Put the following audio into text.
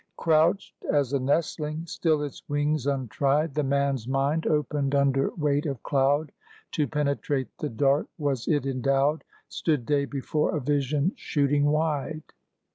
Crouched as a nestling, still its wings untried, The man's mind opened under weight of cloud. To penetrate the dark was it endowed; Stood day before a vision shooting wide.